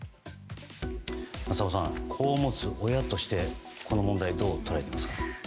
浅尾さん子を持つ親としてこの問題どう捉えていますか。